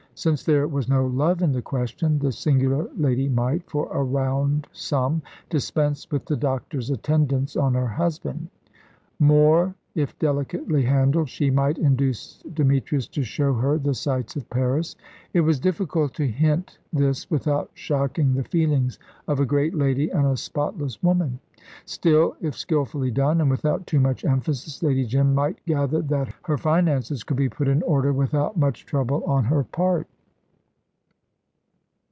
Since there was no love in the question, this singular lady might, for a round sum, dispense with the doctor's attendance on her husband. More if delicately handled, she might induce Demetrius to show her the sights of Paris. It was difficult to hint this without shocking the feelings of a great lady and a spotless woman. Still, if skilfully done, and without too much emphasis, Lady Jim might gather that her finances could be put in order without much trouble on her part.